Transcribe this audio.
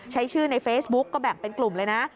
ใช้ชื่อในเฟซบุ๊กก็แบ่งเป็นกลุ่มเลยนะ